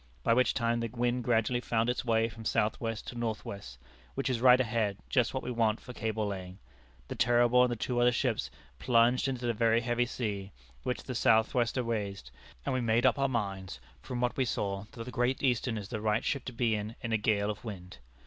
by which time the wind gradually found its way from south west to north west, which is right ahead, just what we want for cable laying. The Terrible and the two other ships plunged into the very heavy sea which the southwester raised, and we made up our minds, from what we saw, that the Great Eastern is the right ship to be in, in a gale of wind.